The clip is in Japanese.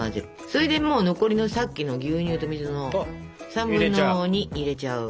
それでもう残りのさっきの牛乳と水の３分の２入れちゃう。